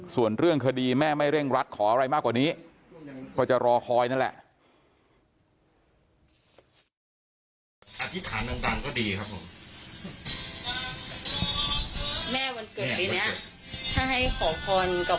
ส่วนเรื่องคดีแม่ไม่เร่งรัดขออะไรมากกว่านี้ก็จะรอคอยนั่นแหละ